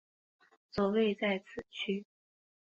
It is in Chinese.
则位在此区。